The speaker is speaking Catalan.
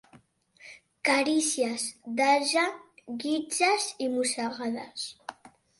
Carícies d'ase, guitzes i mossegades.